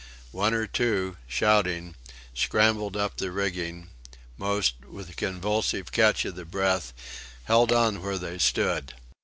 One or two, shouting, scrambled up the rigging; most, with a convulsive catch of the breath, held on where they stood.